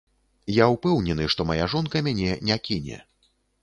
Я ўпэўнены, што мая жонка мяне не кіне.